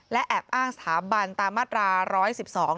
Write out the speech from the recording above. และแอบอ้างสถาบันตามธรรม๑๑๒